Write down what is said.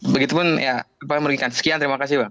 begitupun ya pak mergikan sekian terima kasih bang